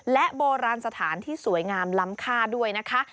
และโบราณสถานที่สวยงามล้ำค่าด้วยนะคะ